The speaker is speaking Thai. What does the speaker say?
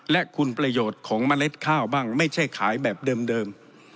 และคุณประโยชน์ของเมล็ดข้าวบ้างไม่ใช่ขายแบบเดิม